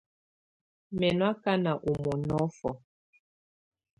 Mɛ nɔ akana ɔ mɔnɔfɔ.